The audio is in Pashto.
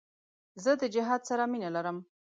زه د جهاد سره مینه لرم.